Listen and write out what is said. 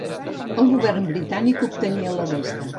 El govern britànic obtenia la resta.